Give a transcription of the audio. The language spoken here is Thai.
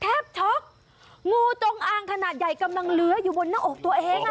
ช็อกงูจงอางขนาดใหญ่กำลังเหลืออยู่บนหน้าอกตัวเองอ่ะ